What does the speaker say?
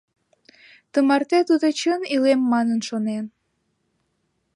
Тымарте тудо чын илем манын шонен.